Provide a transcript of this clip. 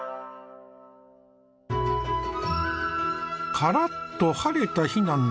カラッと晴れた日なんだね。